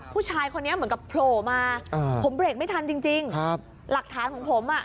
ผู้ชายคนนี้เหมือนกับโผล่มาอ่าผมเบรกไม่ทันจริงจริงครับหลักฐานของผมอ่ะ